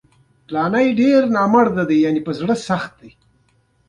تخلیقي فکر د پرمختګ کلي دی.